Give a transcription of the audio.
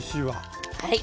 はい。